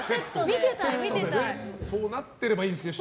そうなってればいいんですけど。